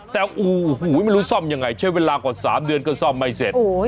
แต่โอ้โหไม่รู้ซ่อมยังไงใช้เวลากว่า๓เดือนก็ซ่อมไม่เสร็จ